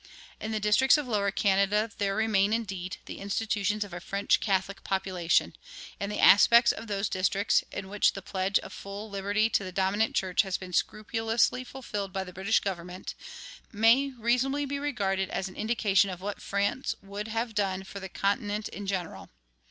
In the districts of Lower Canada there remain, indeed, the institutions of a French Catholic population; and the aspect of those districts, in which the pledge of full liberty to the dominant church has been scrupulously fulfilled by the British government, may reasonably be regarded as an indication of what France would have done for the continent in general.